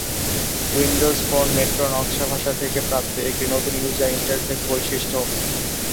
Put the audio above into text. Windows Phone Metro নকশা ভাষা থেকে প্রাপ্ত একটি নতুন ইউজার ইন্টারফেস বৈশিষ্ট্য।